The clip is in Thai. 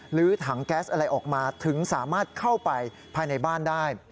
หรือถังแก๊สอะไรออกมาถึงสามารถเข้าไปภายในบ้านได้